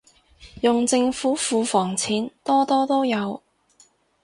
用政府庫房錢，多多都有